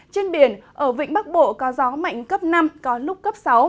trên biển ở vịnh bắc bộ có gió mạnh cấp năm có lúc cấp sáu